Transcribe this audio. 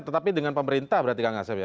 tetapi dengan pemerintah berarti kang asep ya